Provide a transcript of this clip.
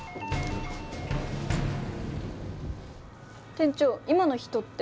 店長今の人って？